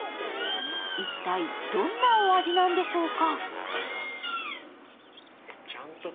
一体どんなお味なんでしょうか。